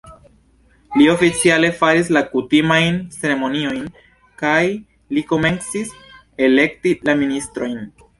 Li oficiale faris la kutimajn ceremoniojn kaj li komencis elekti la ministrojn.